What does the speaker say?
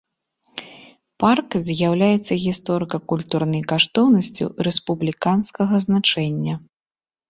Парк з'яўляецца гісторыка-культурнай каштоўнасцю рэспубліканскага значэння.